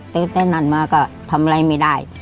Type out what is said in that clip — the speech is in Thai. ตื่นเต้นมาก็ทำอะไรไม่ได้